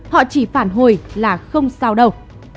họ chỉ phản hồi là không sao đâu